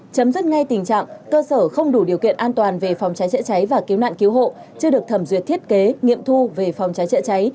chấm dứt ngay tình trạng cơ sở không đủ điều kiện an toàn về phòng cháy chữa cháy và cứu nạn cứu hộ chưa được thẩm duyệt thiết kế nghiệm thu về phòng cháy chữa cháy